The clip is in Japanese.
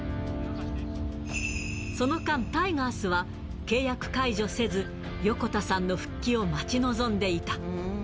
その間、タイガースは契約解除せず、横田さんの復帰を待ち望んでいた。